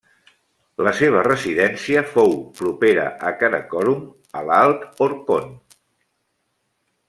La seva residència fou propera a Karakorum a l'alt Orkhon.